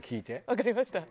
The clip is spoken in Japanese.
わかりました。